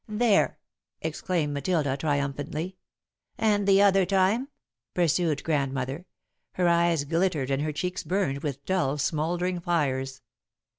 "There," exclaimed Matilda, triumphantly. "And the other time?" pursued Grandmother. Her eyes glittered and her cheeks burned with dull, smouldering fires.